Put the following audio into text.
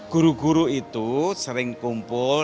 guru guru itu sering kumpul